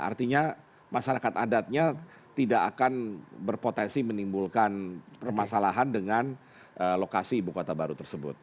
artinya masyarakat adatnya tidak akan berpotensi menimbulkan permasalahan dengan lokasi ibu kota baru tersebut